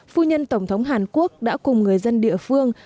phu nhân tổng thống hàn quốc đã cùng người dân địa phương